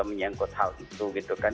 menyangkut hal itu gitu kan